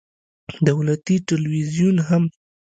دولتي ټلویزیون هم